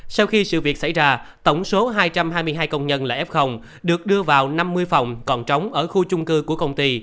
sau khi sự việc xảy ra tổng số hai trăm hai mươi hai công nhân là f được đưa vào năm mươi phòng